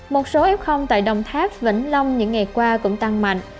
một số f tại đồng tháp vĩnh long những ngày qua cũng tăng mạnh